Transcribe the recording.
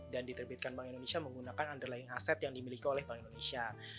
dan diterbitkan bank indonesia menggunakan underline aset yang dimiliki oleh bank indonesia